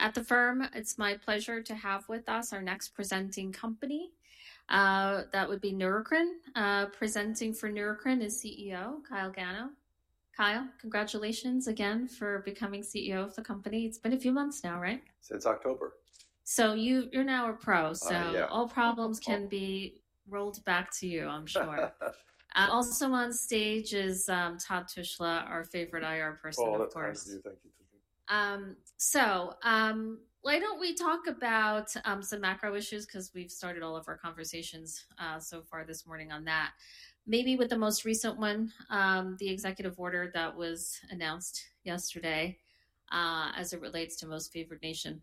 At the firm, it's my pleasure to have with us our next presenting company. That would be Neurocrine Biosciences. Presenting for Neurocrine Biosciences is CEO Kyle Gano. Kyle, congratulations again for becoming CEO of the company. It's been a few months now, right? Since October. You're now a pro. Oh, yeah. All problems can be rolled back to you, I'm sure. Also on stage is Todd Tushla, our favorite IR person, of course. Oh, thank you. Thank you. Why don't we talk about some macro issues? Because we've started all of our conversations so far this morning on that. Maybe with the most recent one, the executive order that was announced yesterday as it relates to Most Favored Nation.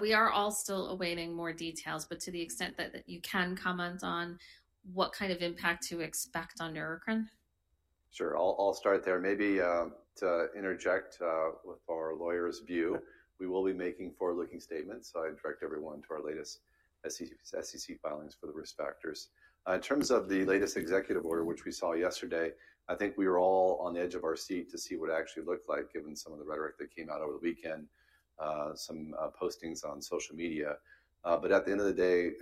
We are all still awaiting more details, but to the extent that you can comment on what kind of impact to expect on Neurocrine. Sure. I'll start there. Maybe to interject with our lawyers' view, we will be making forward-looking statements. I direct everyone to our latest SEC filings for the risk factors. In terms of the latest executive order, which we saw yesterday, I think we were all on the edge of our seat to see what it actually looked like, given some of the rhetoric that came out over the weekend, some postings on social media. At the end of the day,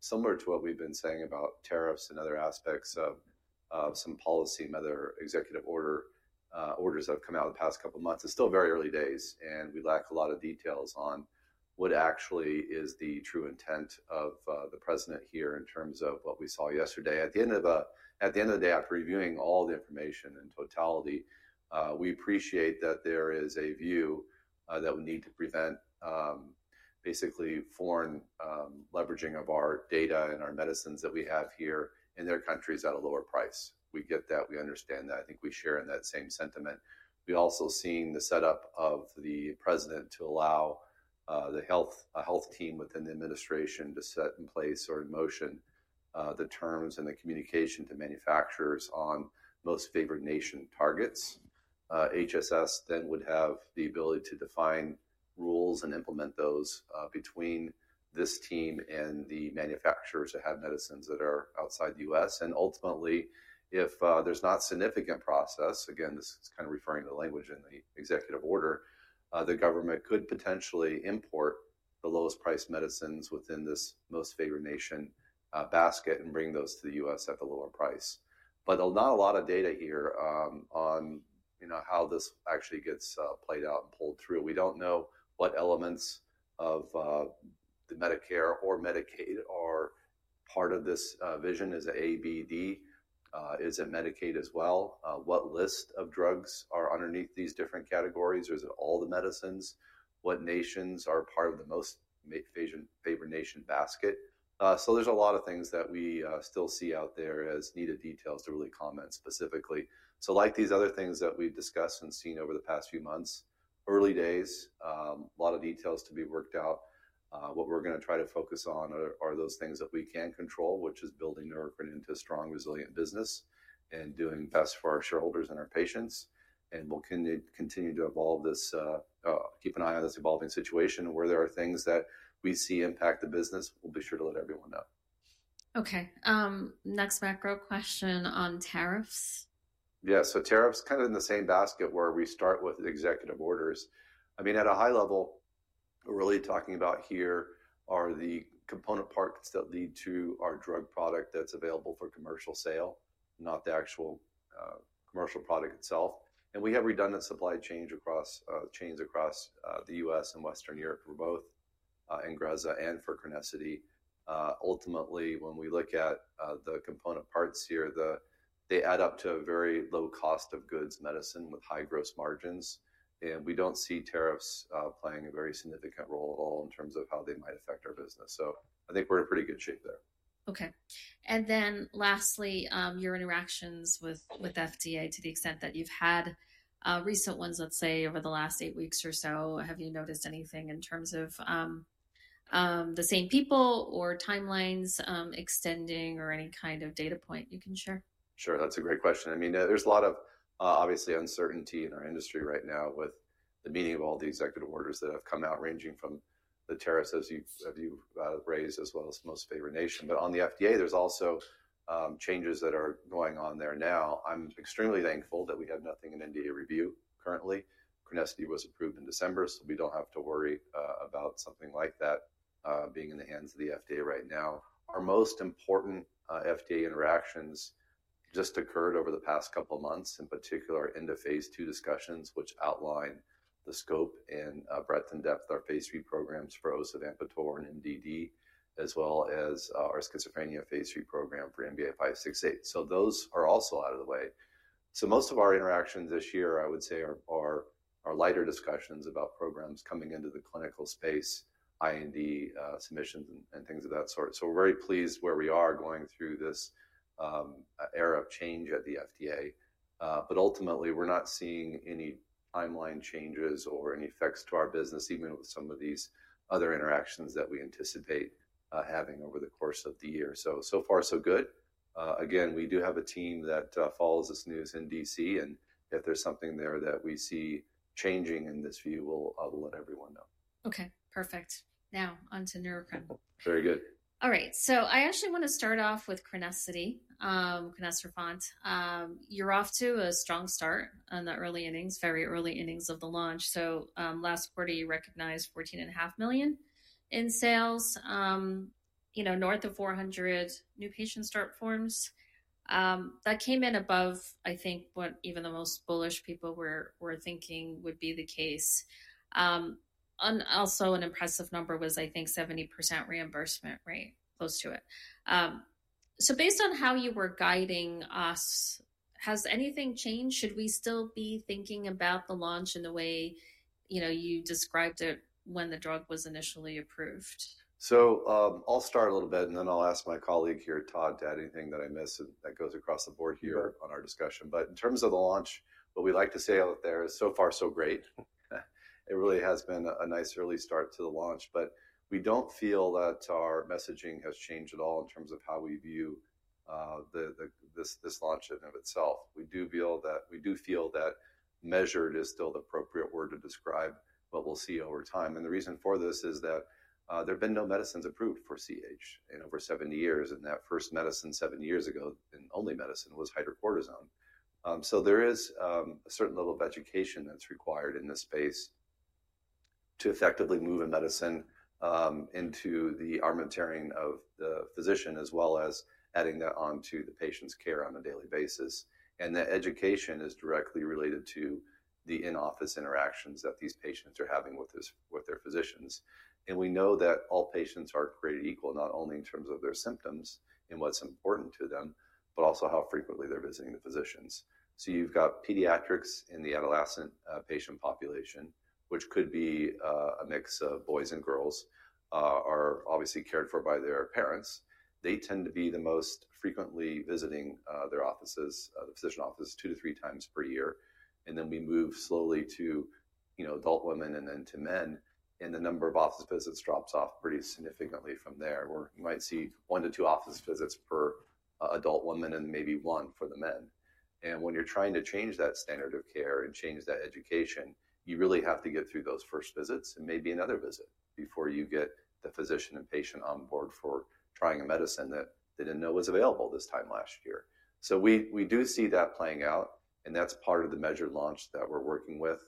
similar to what we've been saying about tariffs and other aspects of some policy and other executive orders that have come out in the past couple of months, it's still very early days, and we lack a lot of details on what actually is the true intent of the president here in terms of what we saw yesterday. At the end of the day, after reviewing all the information in totality, we appreciate that there is a view that we need to prevent basically foreign leveraging of our data and our medicines that we have here in their countries at a lower price. We get that. We understand that. I think we share in that same sentiment. We've also seen the setup of the president to allow the health team within the administration to set in place or in motion the terms and the communication to manufacturers on Most. Favored Nation targets. HHS then would have the ability to define rules and implement those between this team and the manufacturers that have medicines that are outside the U.S. Ultimately, if there's not significant process, again, this is kind of referring to the language in the executive order, the government could potentially import the lowest-priced medicines within this Most Favored Nation basket and bring those to the U.S. at the lower price. Not a lot of data here on how this actually gets played out and pulled through. We don't know what elements of the Medicare or Medicaid are part of this vision. Is it A, B, D? Is it Medicaid as well? What list of drugs are underneath these different categories? Is it all the medicines? What nations are part of the Most Favored Nation basket? There are a lot of things that we still see out there as needed details to really comment specifically. Like these other things that we've discussed and seen over the past few months, early days, a lot of details to be worked out. What we're going to try to focus on are those things that we can control, which is building Neurocrine into a strong, resilient business and doing best for our shareholders and our patients. We'll continue to evolve this, keep an eye on this evolving situation. Where there are things that we see impact the business, we'll be sure to let everyone know. Okay. Next macro question on tariffs. Yeah. Tariffs, kind of in the same basket where we start with executive orders. I mean, at a high level, we're really talking about here are the component parts that lead to our drug product that's available for commercial sale, not the actual commercial product itself. We have redundant supply chains across the U.S. and Western Europe for both Ingrezza and for CRENESSITY. Ultimately, when we look at the component parts here, they add up to a very low cost of goods medicine with high gross margins. We do not see tariffs playing a very significant role at all in terms of how they might affect our business. I think we're in pretty good shape there. Okay. Lastly, your interactions with FDA, to the extent that you've had recent ones, let's say over the last eight weeks or so, have you noticed anything in terms of the same people or timelines extending or any kind of data point you can share? Sure. That's a great question. I mean, there's a lot of obviously uncertainty in our industry right now with the meaning of all the executive orders that have come out, ranging from the tariffs as you've raised as well as Most Favored Nation. On the FDA, there's also changes that are going on there now. I'm extremely thankful that we have nothing in FDA review currently. CRENESSITY was approved in December, so we don't have to worry about something like that being in the hands of the FDA right now. Our most important FDA interactions just occurred over the past couple of months, in particular into phase two discussions, which outline the scope and breadth and depth of our phase three programs for osavampator and NDD, as well as our schizophrenia phase three program for INGREZZA. Those are also out of the way. Most of our interactions this year, I would say, are lighter discussions about programs coming into the clinical space, IND submissions, and things of that sort. We are very pleased where we are going through this era of change at the FDA. Ultimately, we are not seeing any timeline changes or any effects to our business, even with some of these other interactions that we anticipate having over the course of the year. So far, so good. Again, we do have a team that follows this news in Washington DC. If there is something there that we see changing in this view, we will let everyone know. Okay. Perfect. Now on to Neurocrine. Very good. All right. I actually want to start off with CRENESSITY, CRENESSITY Font. You're off to a strong start in the early innings, very early innings of the launch. Last quarter, you recognized $14.5 million in sales, north of 400 new patient start forms. That came in above, I think, what even the most bullish people were thinking would be the case. Also, an impressive number was, I think, 70% reimbursement rate, close to it. Based on how you were guiding us, has anything changed? Should we still be thinking about the launch in the way you described it when the drug was initially approved? I'll start a little bit, and then I'll ask my colleague here, Todd, to add anything that I missed that goes across the board here on our discussion. In terms of the launch, what we like to say out there is so far, so great. It really has been a nice early start to the launch. We don't feel that our messaging has changed at all in terms of how we view this launch in and of itself. We do feel that measured is still the appropriate word to describe what we'll see over time. The reason for this is that there have been no medicines approved for CAH in over 70 years. That first medicine 70 years ago, and only medicine, was hydrocortisone. There is a certain level of education that's required in this space to effectively move a medicine into the armamentarium of the physician, as well as adding that onto the patient's care on a daily basis. That education is directly related to the in-office interactions that these patients are having with their physicians. We know that all patients aren't created equal, not only in terms of their symptoms and what's important to them, but also how frequently they're visiting the physicians. You've got pediatrics in the adolescent patient population, which could be a mix of boys and girls, are obviously cared for by their parents. They tend to be the most frequently visiting their offices, the physician offices, two to three times per year. Then we move slowly to adult women and then to men, and the number of office visits drops off pretty significantly from there. We might see one to two office visits per adult woman and maybe one for the men. When you're trying to change that standard of care and change that education, you really have to get through those first visits and maybe another visit before you get the physician and patient on board for trying a medicine that they did not know was available this time last year. We do see that playing out, and that is part of the measured launch that we're working with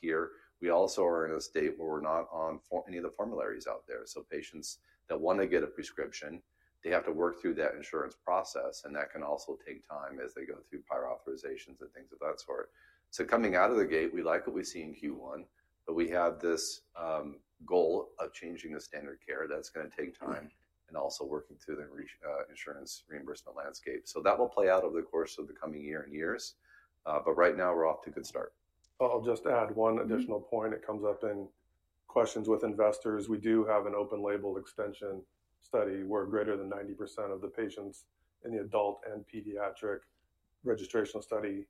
here. We also are in a state where we're not on any of the formularies out there. Patients that want to get a prescription, they have to work through that insurance process, and that can also take time as they go through prior authorizations and things of that sort. Coming out of the gate, we like what we see in Q1, but we have this goal of changing the standard of care that's going to take time and also working through the insurance reimbursement landscape. That will play out over the course of the coming year and years. Right now, we're off to a good start. I'll just add one additional point. It comes up in questions with investors. We do have an open label extension study where greater than 90% of the patients in the adult and pediatric registration study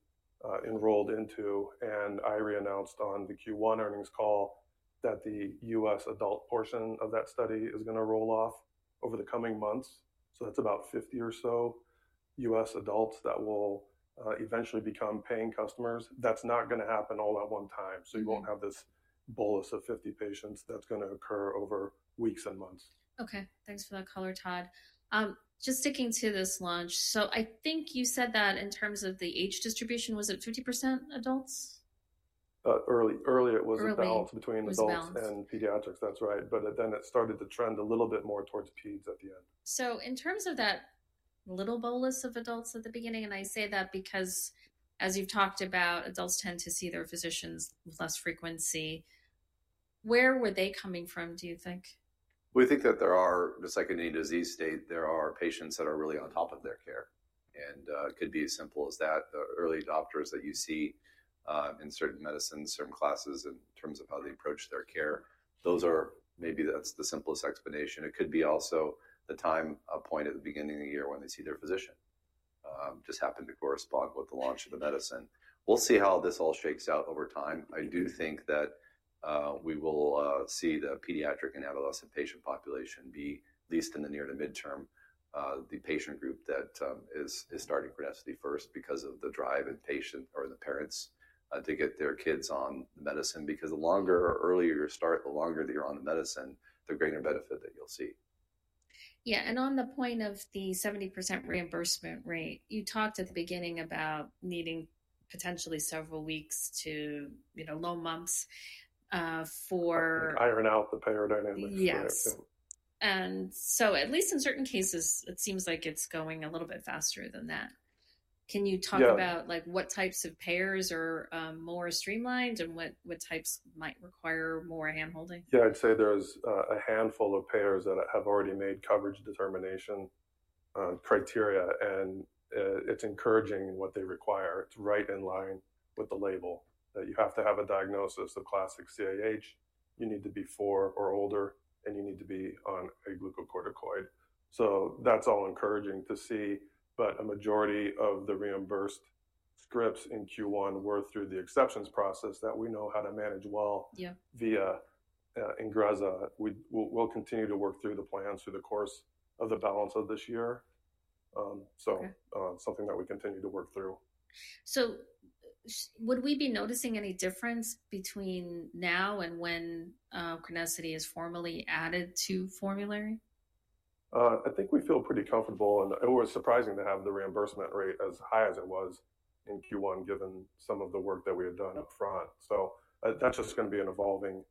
enrolled into. I reannounced on the Q1 earnings call that the U.S. adult portion of that study is going to roll off over the coming months. That's about 50 or so U.S. adults that will eventually become paying customers. That's not going to happen all at one time. You won't have this bolus of 50 patients that's going to occur over weeks and months. Okay. Thanks for that color, Todd. Just sticking to this launch. I think you said that in terms of the age distribution, was it 50% adults? Early. Early it was about between adults and pediatrics. Early balance. That's right. But then it started to trend a little bit more towards peds at the end. In terms of that little bolus of adults at the beginning, and I say that because, as you've talked about, adults tend to see their physicians with less frequency. Where were they coming from, do you think? We think that there are, just like in any disease state, there are patients that are really on top of their care. It could be as simple as that. The early adopters that you see in certain medicines, certain classes in terms of how they approach their care, those are maybe that's the simplest explanation. It could be also the time point at the beginning of the year when they see their physician just happened to correspond with the launch of the medicine. We'll see how this all shakes out over time. I do think that we will see the pediatric and adolescent patient population be at least in the near to midterm, the patient group that is starting CRENESSITY first because of the drive in patients or the parents to get their kids on the medicine. Because the longer or earlier you start, the longer that you're on the medicine, the greater benefit that you'll see. Yeah. On the point of the 70% reimbursement rate, you talked at the beginning about needing potentially several weeks to low months for. Iron out the payer dynamic there. Yes. At least in certain cases, it seems like it's going a little bit faster than that. Can you talk about what types of payers are more streamlined and what types might require more hand-holding? Yeah. I'd say there's a handful of payers that have already made coverage determination criteria, and it's encouraging in what they require. It's right in line with the label that you have to have a diagnosis of classic CAH. You need to be four or older, and you need to be on a glucocorticoid. That's all encouraging to see. A majority of the reimbursed scripts in Q1 were through the exceptions process that we know how to manage well via INGREZZA. We'll continue to work through the plans through the course of the balance of this year. It's something that we continue to work through. Would we be noticing any difference between now and when CRENESSITY is formally added to formulary? I think we feel pretty comfortable. It was surprising to have the reimbursement rate as high as it was in Q1 given some of the work that we had done upfront. That is just going to be an evolving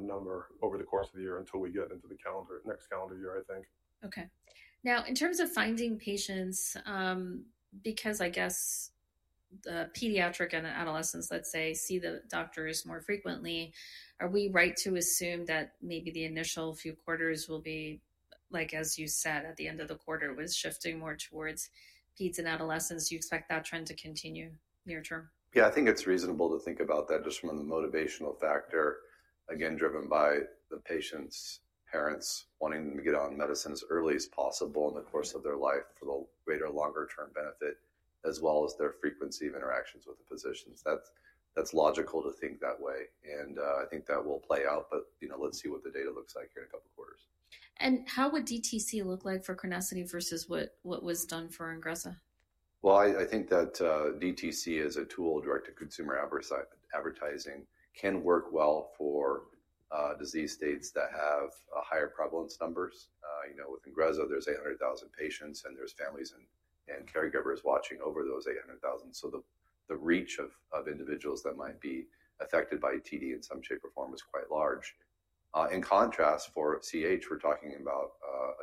number over the course of the year until we get into the next calendar year, I think. Okay. Now, in terms of finding patients, because I guess the pediatric and adolescents, let's say, see the doctors more frequently, are we right to assume that maybe the initial few quarters will be, like as you said, at the end of the quarter, was shifting more towards peds and adolescents? Do you expect that trend to continue near term? Yeah. I think it's reasonable to think about that just from the motivational factor, again, driven by the patient's parents wanting them to get on medicines as early as possible in the course of their life for the greater longer-term benefit, as well as their frequency of interactions with the physicians. That's logical to think that way. I think that will play out, but let's see what the data looks like here in a couple of quarters. How would DTC look like for CRENESSITY versus what was done for INGREZZA? I think that DTC as a tool, direct-to-consumer advertising, can work well for disease states that have higher prevalence numbers. With INGREZZA, there are 800,000 patients, and there are families and caregivers watching over those 800,000. The reach of individuals that might be affected by TD in some shape or form is quite large. In contrast, for CAH, we are talking about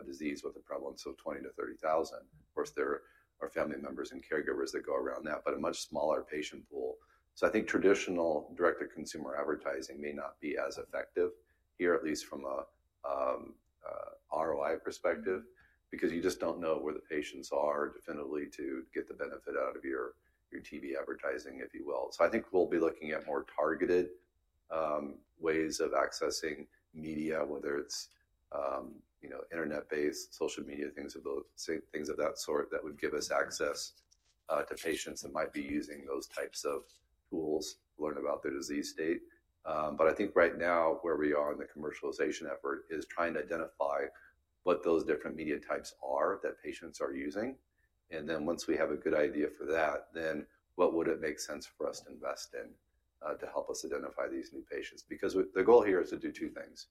a disease with a prevalence of 20,000-30,000. Of course, there are family members and caregivers that go around that, but a much smaller patient pool. I think traditional direct-to-consumer advertising may not be as effective here, at least from an ROI perspective, because you just do not know where the patients are definitively to get the benefit out of your DTC advertising, if you will. I think we'll be looking at more targeted ways of accessing media, whether it's internet-based social media, things of that sort that would give us access to patients that might be using those types of tools, learn about their disease state. I think right now, where we are in the commercialization effort is trying to identify what those different media types are that patients are using. Once we have a good idea for that, what would it make sense for us to invest in to help us identify these new patients? The goal here is to do two things.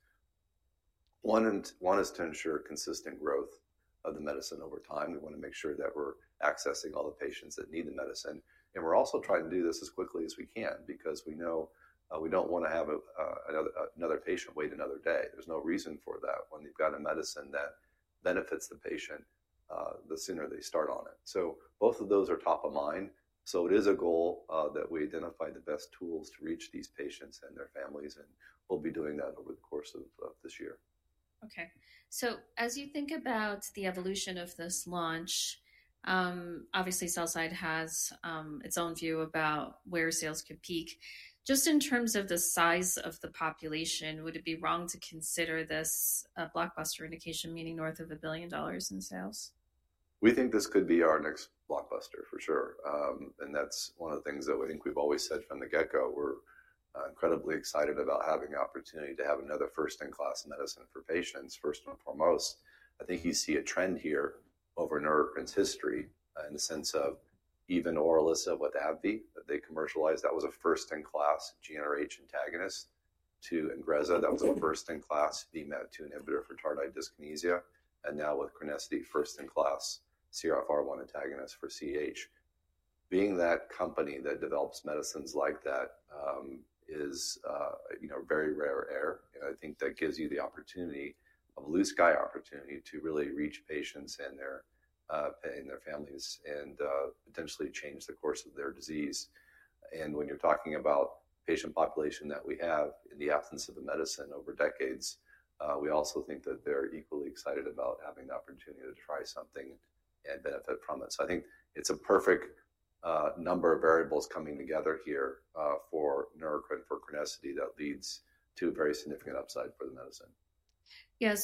One is to ensure consistent growth of the medicine over time. We want to make sure that we're accessing all the patients that need the medicine. We're also trying to do this as quickly as we can because we know we don't want to have another patient wait another day. There's no reason for that. When they've got a medicine that benefits the patient, the sooner they start on it. Both of those are top of mind. It is a goal that we identify the best tools to reach these patients and their families, and we'll be doing that over the course of this year. Okay. As you think about the evolution of this launch, obviously, Southside has its own view about where sales could peak. Just in terms of the size of the population, would it be wrong to consider this a blockbuster indication, meaning north of $1 billion in sales? We think this could be our next blockbuster, for sure. That is one of the things that we think we've always said from the get-go. We're incredibly excited about having the opportunity to have another first-in-class medicine for patients, first and foremost. I think you see a trend here over Neurocrine's history in the sense of even Orilissa, what AbbVie that they commercialized, that was a first-in-class GnRH antagonist to INGREZZA. That was a first-in-class VMAT2 inhibitor for tardive dyskinesia. Now with CRENESSITY, first-in-class CRFR1 antagonist for CAH. Being that company that develops medicines like that is a very rare air. I think that gives you the opportunity of a blue sky opportunity to really reach patients and their families and potentially change the course of their disease. When you're talking about the patient population that we have in the absence of the medicine over decades, we also think that they're equally excited about having the opportunity to try something and benefit from it. I think it's a perfect number of variables coming together here for Neurocrine that leads to very significant upside for the medicine. Yeah.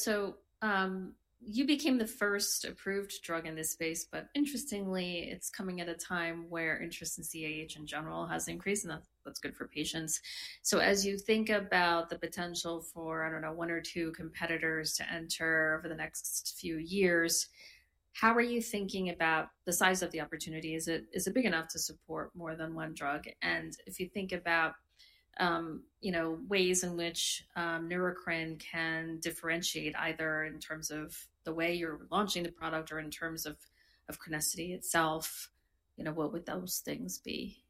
You became the first approved drug in this space, but interestingly, it's coming at a time where interest in CAH in general has increased, and that's good for patients. As you think about the potential for, I don't know, one or two competitors to enter over the next few years, how are you thinking about the size of the opportunity? Is it big enough to support more than one drug? If you think about ways in which Neurocrine can differentiate either in terms of the way you're launching the product or in terms of Crinege itself, what would those things be?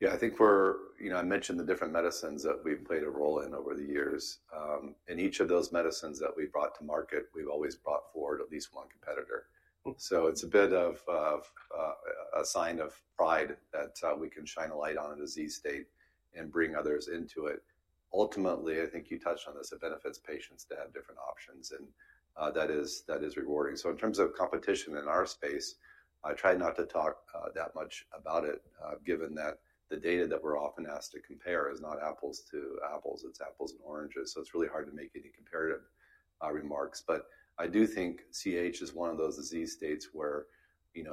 Yeah. I think I mentioned the different medicines that we've played a role in over the years. In each of those medicines that we brought to market, we've always brought forward at least one competitor. It is a bit of a sign of pride that we can shine a light on a disease state and bring others into it. Ultimately, I think you touched on this, it benefits patients to have different options, and that is rewarding. In terms of competition in our space, I try not to talk that much about it, given that the data that we're often asked to compare is not apples to apples. It is apples and oranges. It is really hard to make any comparative remarks. I do think CAH is one of those disease states where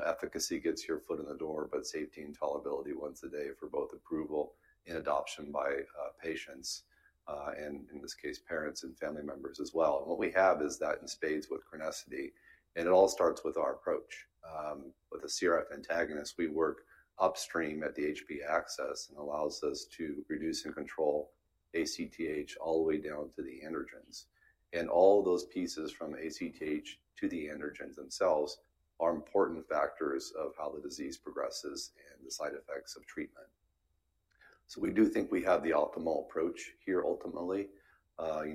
efficacy gets your foot in the door, but safety and tolerability once a day for both approval and adoption by patients, and in this case, parents and family members as well. What we have is that in spades with Crinege. It all starts with our approach. With a CRFR1 antagonist, we work upstream at the HPA axis and it allows us to reduce and control ACTH all the way down to the androgens. All of those pieces from ACTH to the androgens themselves are important factors of how the disease progresses and the side effects of treatment. We do think we have the optimal approach here ultimately.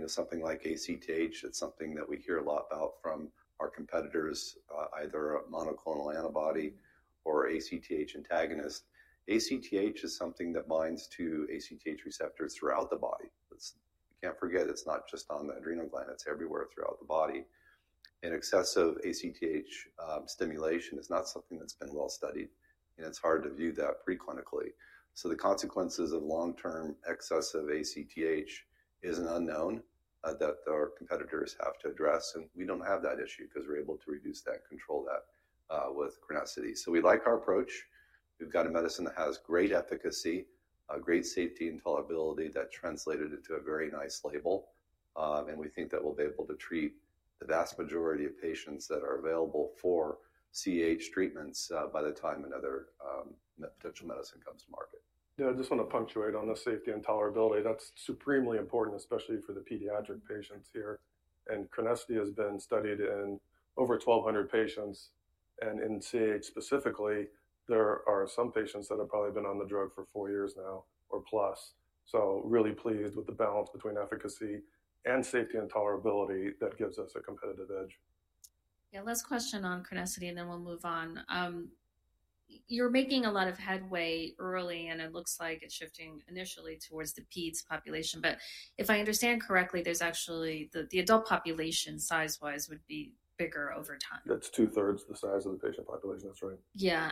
Something like ACTH, it's something that we hear a lot about from our competitors, either a monoclonal antibody or ACTH antagonist. ACTH is something that binds to ACTH receptors throughout the body. We can't forget it's not just on the adrenal gland. It's everywhere throughout the body. Excessive ACTH stimulation is not something that's been well studied, and it's hard to view that preclinically. The consequences of long-term excessive ACTH is an unknown that our competitors have to address. We don't have that issue because we're able to reduce that and control that with Crinege. We like our approach. We've got a medicine that has great efficacy, great safety and tolerability that translated into a very nice label. We think that we'll be able to treat the vast majority of patients that are available for CAH treatments by the time another potential medicine comes to market. Yeah. I just want to punctuate on the safety and tolerability. That's supremely important, especially for the pediatric patients here. And Crinege has been studied in over 1,200 patients. In CAH specifically, there are some patients that have probably been on the drug for four years now or plus. Really pleased with the balance between efficacy and safety and tolerability that gives us a competitive edge. Yeah. Last question on CRENESSITY, and then we'll move on. You're making a lot of headway early, and it looks like it's shifting initially towards the peds population. But if I understand correctly, there's actually the adult population size-wise would be bigger over time. That's two-thirds the size of the patient population. That's right. Yeah.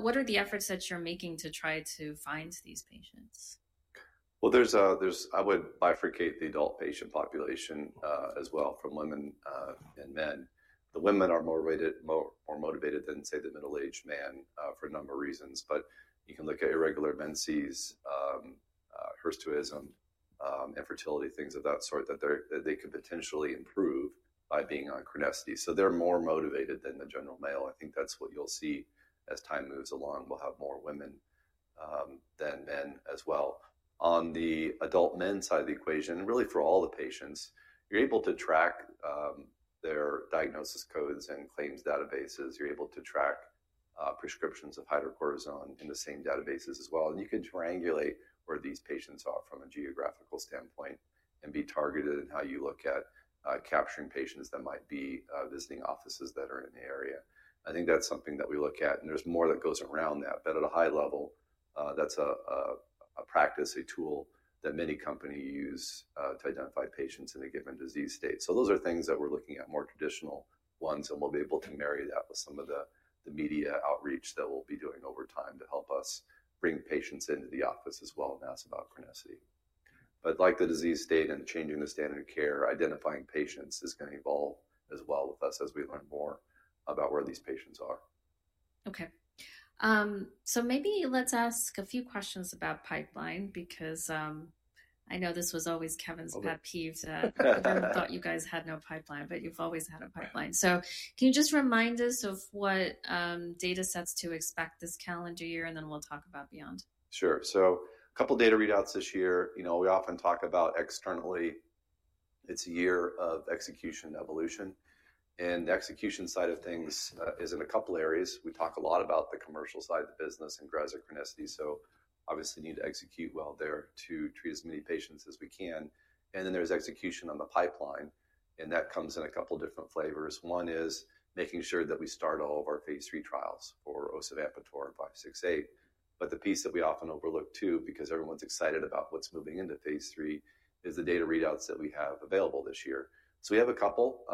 What are the efforts that you're making to try to find these patients? I would bifurcate the adult patient population as well from women and men. The women are more motivated than, say, the middle-aged man for a number of reasons. You can look at irregular menses, hirsutism, infertility, things of that sort that they could potentially improve by being on CRENESSITY. They are more motivated than the general male. I think that's what you'll see as time moves along. We'll have more women than men as well. On the adult men's side of the equation, really for all the patients, you're able to track their diagnosis codes and claims databases. You're able to track prescriptions of hydrocortisone in the same databases as well. You can triangulate where these patients are from a geographical standpoint and be targeted in how you look at capturing patients that might be visiting offices that are in the area. I think that's something that we look at, and there's more that goes around that. At a high level, that's a practice, a tool that many companies use to identify patients in a given disease state. Those are things that we're looking at, more traditional ones, and we'll be able to marry that with some of the media outreach that we'll be doing over time to help us bring patients into the office as well and ask about CRENESSITY. Like the disease state and changing the standard of care, identifying patients is going to evolve as well with us as we learn more about where these patients are. Okay. Maybe let's ask a few questions about pipeline because I know this was always Kevin's pet peeve. I thought you guys had no pipeline, but you've always had a pipeline. Can you just remind us of what data sets to expect this calendar year, and then we'll talk about beyond? Sure. A couple of data readouts this year. We often talk about externally, it's a year of execution evolution. The execution side of things is in a couple of areas. We talk a lot about the commercial side of the business and INGREZZA Chronicity. Obviously, we need to execute well there to treat as many patients as we can. There is execution on the pipeline, and that comes in a couple of different flavors. One is making sure that we start all of our phase three trials for osavampator 568. The piece that we often overlook too, because everyone's excited about what's moving into phase three, is the data readouts that we have available this year. We have a couple,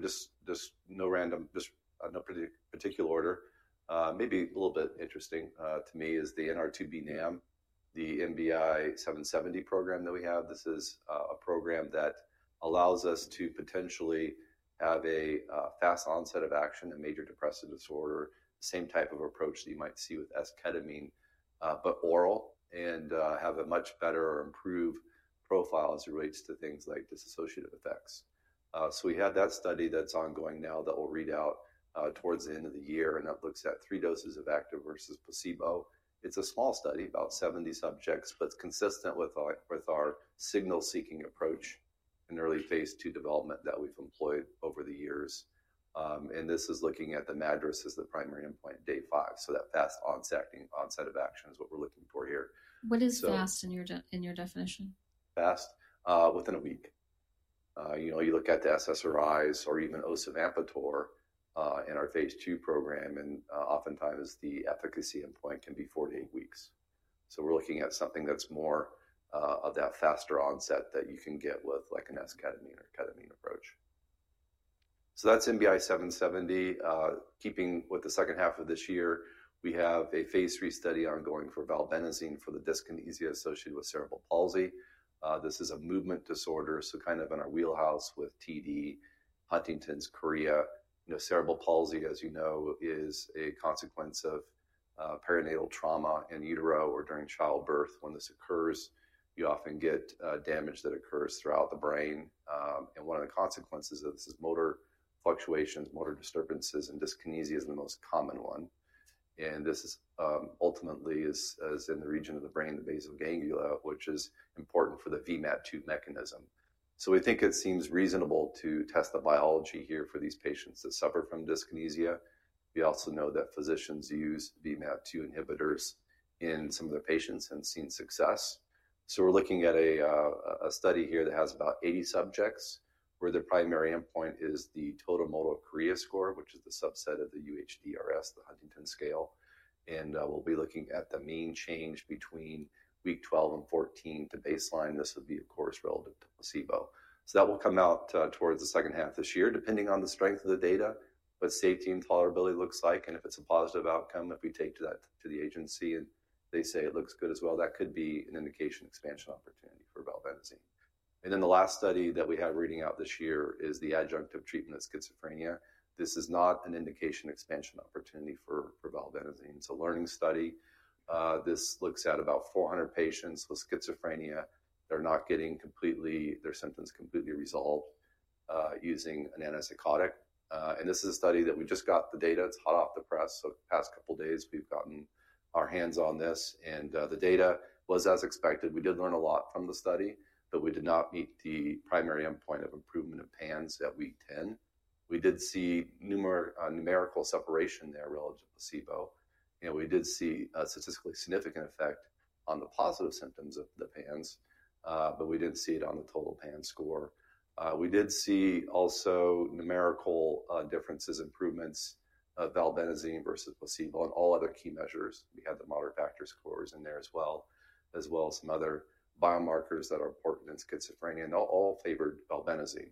just no random, just no particular order. Maybe a little bit interesting to me is the NR2B NAM, the NBI 770 program that we have. This is a program that allows us to potentially have a fast onset of action in major depressive disorder, the same type of approach that you might see with esketamine, but oral, and have a much better or improved profile as it relates to things like dissociative effects. We have that study that's ongoing now that will read out towards the end of the year, and that looks at three doses of active versus placebo. It's a small study, about 70 subjects, but it's consistent with our signal-seeking approach in early phase two development that we've employed over the years. This is looking at the MADRS as the primary endpoint, day five. That fast onset of action is what we're looking for here. What is fast in your definition? Fast? Within a week. You look at the SSRIs or even osavampator in our phase two program, and oftentimes the efficacy endpoint can be four to eight weeks. We are looking at something that's more of that faster onset that you can get with an esketamine or ketamine approach. That's NBI 770. Keeping with the second half of this year, we have a phase three study ongoing for valbenazine for the dyskinesia associated with cerebral palsy. This is a movement disorder, kind of in our wheelhouse with TD, Huntington's chorea. Cerebral palsy, as you know, is a consequence of perinatal trauma in utero or during childbirth. When this occurs, you often get damage that occurs throughout the brain. One of the consequences of this is motor fluctuations, motor disturbances, and dyskinesia is the most common one. This ultimately is in the region of the brain, the basal ganglia, which is important for the VMAT2 mechanism. We think it seems reasonable to test the biology here for these patients that suffer from dyskinesia. We also know that physicians use VMAT2 inhibitors in some of their patients and have seen success. We are looking at a study here that has about 80 subjects where the primary endpoint is the total motor chorea score, which is the subset of the UHDRS, the Huntington scale. We will be looking at the mean change between week 12 and 14 to baseline. This would be, of course, relative to placebo. That will come out towards the second half this year, depending on the strength of the data, what safety and tolerability looks like, and if it's a positive outcome, if we take that to the agency and they say it looks good as well, that could be an indication expansion opportunity for valbenazine. The last study that we have reading out this year is the adjunctive treatment of schizophrenia. This is not an indication expansion opportunity for valbenazine. It's a learning study. This looks at about 400 patients with schizophrenia that are not getting their symptoms completely resolved using an antipsychotic. This is a study that we just got the data. It's hot off the press. The past couple of days, we've gotten our hands on this. The data was as expected. We did learn a lot from the study, but we did not meet the primary endpoint of improvement of PANSS at week 10. We did see numerical separation there relative to placebo. We did see a statistically significant effect on the positive symptoms of the PANSS, but we did not see it on the total PANSS score. We did see also numerical differences, improvements, valbenazine versus placebo in all other key measures. We had the moderate factor scores in there as well, as well as some other biomarkers that are important in schizophrenia. They all favored valbenazine.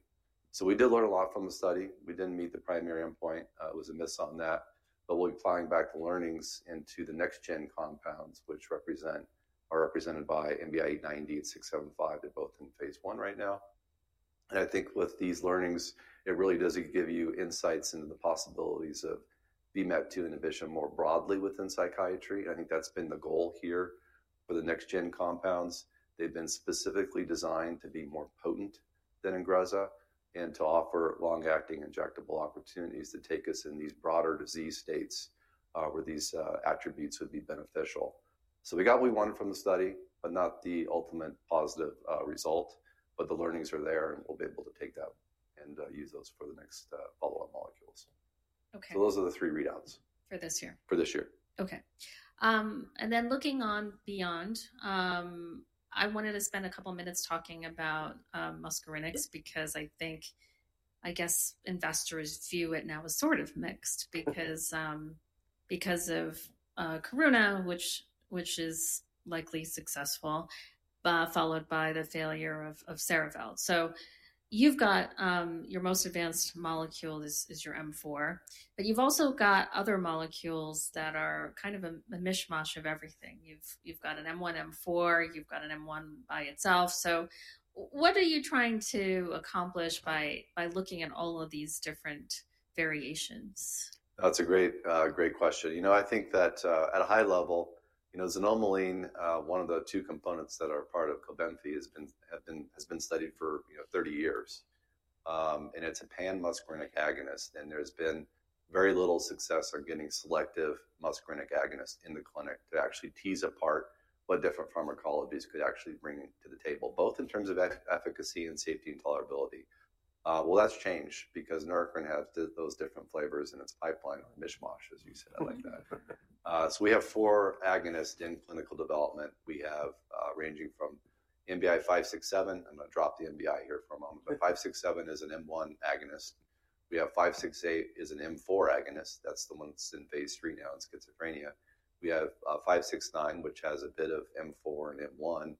We did learn a lot from the study. We did not meet the primary endpoint. It was a miss on that. We are applying back the learnings into the next-gen compounds, which are represented by NBI-890 and NBI-675. They are both in phase one right now. I think with these learnings, it really does give you insights into the possibilities of VMAT2 inhibition more broadly within psychiatry. I think that's been the goal here for the next-gen compounds. They've been specifically designed to be more potent than Ingrezza and to offer long-acting injectable opportunities to take us in these broader disease states where these attributes would be beneficial. We got what we wanted from the study, but not the ultimate positive result. The learnings are there, and we'll be able to take that and use those for the next follow-up molecules. Those are the three readouts. For this year. For this year. Okay. Looking on beyond, I wanted to spend a couple of minutes talking about muscarinics because I think, I guess, investors view it now as sort of mixed because of Corona, which is likely successful, followed by the failure of Sara Veld. You have your most advanced molecule is your M4, but you have also got other molecules that are kind of a mishmash of everything. You have got an M1, M4. You have got an M1 by itself. What are you trying to accomplish by looking at all of these different variations? That's a great question. You know, I think that at a high level, xanomeline, one of the two components that are part of Cobenfy, has been studied for 30 years. And it's a pan-muscarinic agonist. There's been very little success on getting selective muscarinic agonists in the clinic to actually tease apart what different pharmacologies could actually bring to the table, both in terms of efficacy and safety and tolerability. That has changed because Neurocrine has those different flavors in its pipeline or mishmash, as you said. I like that. We have four agonists in clinical development. We have ranging from NBI 567. I'm going to drop the NBI here for a moment. 567 is an M1 agonist. We have 568, which is an M4 agonist. That's the one that's in phase three now in schizophrenia. We have 569, which has a bit of M4 and M1.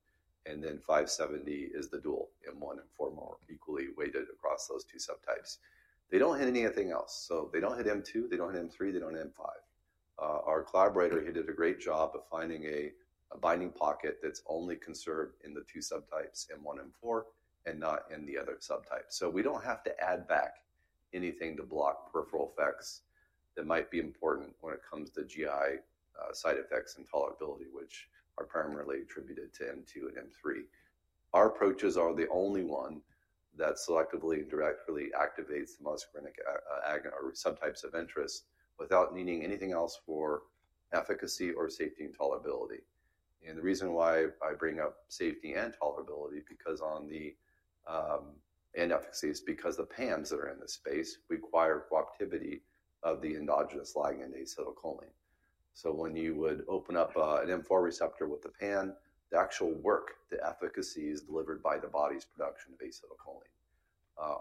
570 is the dual M1, M4, more equally weighted across those two subtypes. They do not hit anything else. They do not hit M2. They do not hit M3. They do not hit M5. Our collaborator here did a great job of finding a binding pocket that is only conserved in the two subtypes, M1, M4, and not in the other subtypes. We do not have to add back anything to block peripheral effects that might be important when it comes to GI side effects and tolerability, which are primarily attributed to M2 and M3. Our approaches are the only one that selectively and directly activates the muscarinic subtypes of interest without needing anything else for efficacy or safety and tolerability. The reason why I bring up safety and tolerability and efficacy is because the PANS that are in this space require cooperativity of the endogenous ligand acetylcholine. When you would open up an M4 receptor with the PAN, the actual work, the efficacy is delivered by the body's production of acetylcholine.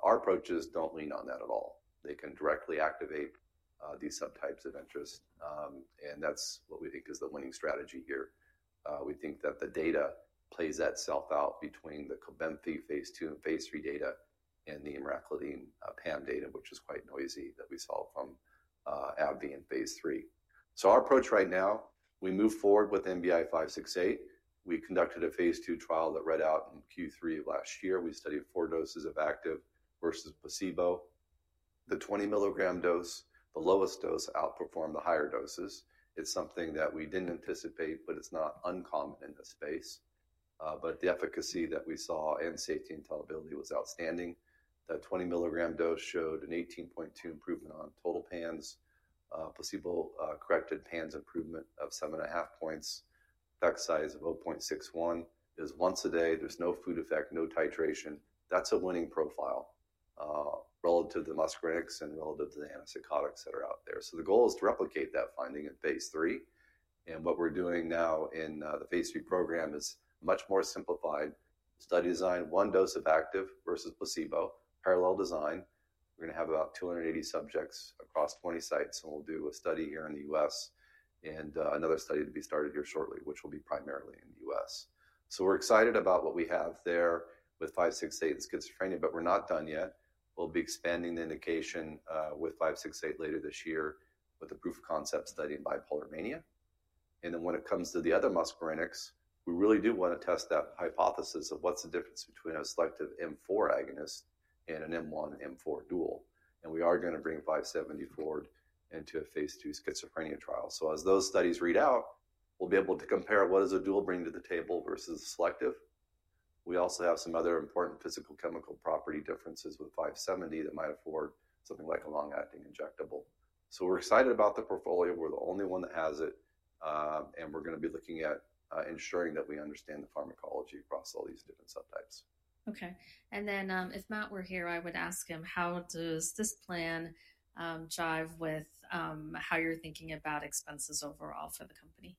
Our approaches don't lean on that at all. They can directly activate these subtypes of interest. That's what we think is the winning strategy here. We think that the data plays that self out between the Cobenfy phase two and phase three data and the imracladine PAN data, which is quite noisy that we saw from AbbVie in phase three. Our approach right now, we move forward with NBI 568. We conducted a phase two trial that read out in Q3 of last year. We studied four doses of Activ versus placebo. The 20 mg dose, the lowest dose, outperformed the higher doses. It's something that we didn't anticipate, but it's not uncommon in this space. The efficacy that we saw and safety and tolerability was outstanding. The 20 mg dose showed an 18.2 improvement on total PANSS. Placebo-corrected PANSS improvement of 7.5 points. Effect size of 0.61 is once a day. There's no food effect, no titration. That's a winning profile relative to the muscarinics and relative to the antipsychotics that are out there. The goal is to replicate that finding in phase three. What we're doing now in the phase three program is much more simplified study design, one dose of Activ versus placebo, parallel design. We're going to have about 280 subjects across 20 sites, and we'll do a study here in the U.S. and another study to be started here shortly, which will be primarily in the U.S. We're excited about what we have there with 568 and schizophrenia, but we're not done yet. We'll be expanding the indication with 568 later this year with the proof of concept study in bipolar mania. When it comes to the other muscarinics, we really do want to test that hypothesis of what's the difference between a selective M4 agonist and an M1, M4 dual. We are going to bring 570 forward into a phase two schizophrenia trial. As those studies read out, we'll be able to compare what does a dual bring to the table versus a selective. We also have some other important physical chemical property differences with 570 that might afford something like a long-acting injectable. We're excited about the portfolio. We're the only one that has it. We're going to be looking at ensuring that we understand the pharmacology across all these different subtypes. Okay. If Matt were here, I would ask him, how does this plan jive with how you're thinking about expenses overall for the company?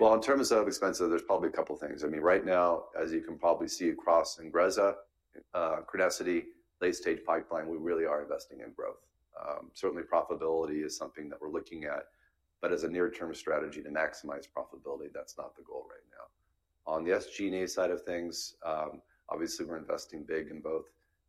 In terms of expenses, there's probably a couple of things. I mean, right now, as you can probably see across INGREZZA, CRENESSITY, late-stage pipeline, we really are investing in growth. Certainly, profitability is something that we're looking at. As a near-term strategy to maximize profitability, that's not the goal right now. On the SG&A side of things, obviously, we're investing big in both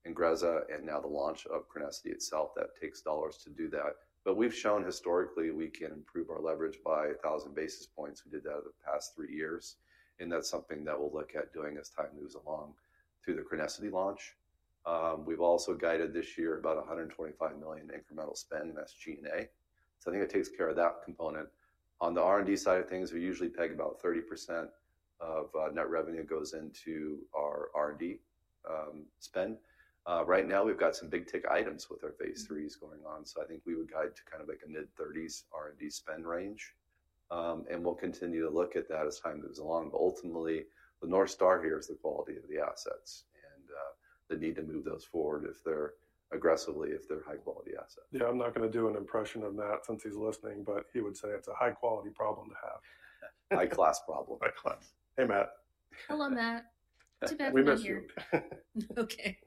INGREZZA and now the launch of CRENESSITY itself. That takes dollars to do that. We've shown historically we can improve our leverage by 1,000 basis points. We did that over the past three years. That's something that we'll look at doing as time moves along through the CRENESSITY launch. We've also guided this year about $125 million incremental spend in SG&A. I think it takes care of that component. On the R&D side of things, we usually peg about 30% of net revenue goes into our R&D spend. Right now, we've got some big tick items with our phase threes going on. I think we would guide to kind of like a mid-30% R&D spend range. We'll continue to look at that as time moves along. Ultimately, the North Star here is the quality of the assets and the need to move those forward if they're aggressively, if they're high-quality assets. Yeah, I'm not going to do an impression of Matt since he's listening, but he would say it's a high-quality problem to have. High-class problem. High-class. Hey, Matt. Hello, Matt. We miss you. Okay.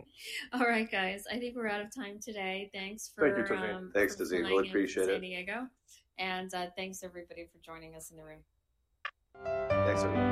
All right, guys. I think we're out of time today. Thanks for. Thank you, Tazeen. Thanks, Tazeen. We appreciate it. Thank you, Diego. Thank you, everybody, for joining us in the room. Thanks, everyone.